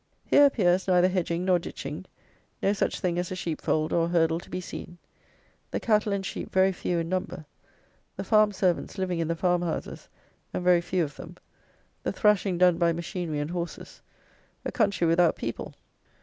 Here appears neither hedging nor ditching; no such thing as a sheep fold or a hurdle to be seen; the cattle and sheep very few in number; the farm servants living in the farm houses, and very few of them; the thrashing done by machinery and horses; a country without people.